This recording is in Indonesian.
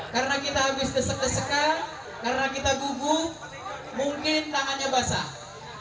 karena kita habis desek desekan karena kita gugup mungkin tangannya basah